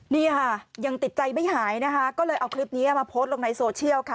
นี่ค่ะยังติดใจไม่หายนะคะก็เลยเอาคลิปนี้มาโพสต์ลงในโซเชียลค่ะ